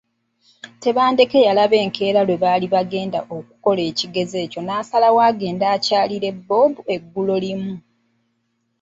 Tebandeke yalaba enkeera lwe baali bagenda okukola ekigezo ekyo n’asalawo agende akyalire Bob eggulolimu.